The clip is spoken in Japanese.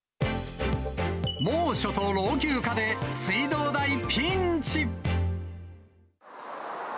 猛暑と老朽化で水道代ピンチ。